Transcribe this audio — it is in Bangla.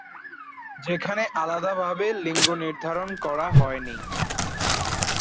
যেখানে আলাদাভাবে লিঙ্গ নির্ধারণ করা হয়নি।